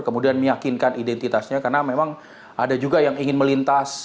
kemudian meyakinkan identitasnya karena memang ada juga yang ingin melintas